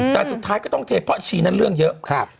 แต่สุดท้ายก็ต้องเทเพราะชีนั้นเรื่องเยอะ